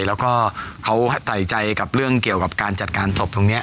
แล้วก็เขาใส่ใจกับเรื่องเกี่ยวกับการจัดการศพตรงนี้